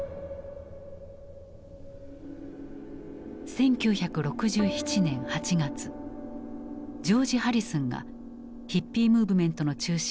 １９６７年８月ジョージ・ハリスンがヒッピー・ムーブメントの中心